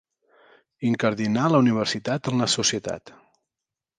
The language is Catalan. Incardinar la universitat en la societat.